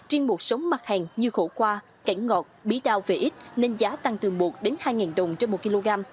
riêng một số mặt hàng như khổ qua cảnh ngọt bí đao về ít nên giá tăng từ một đồng đến hai đồng trên một kg